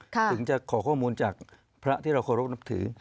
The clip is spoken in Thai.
ถึงจะขอข้อมูลจากพระที่เราเคารพนับถือ